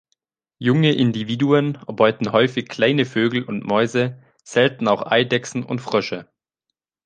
Junge Individuen erbeuten häufig kleine Vögel und Mäuse, selten auch Eidechsen und Frösche.